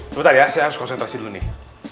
sebentar ya saya harus konsentrasi dulu nih